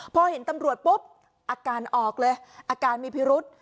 พอเห็นตำรวจปุ๊บอาการออกเลยอาการมีพิรุษ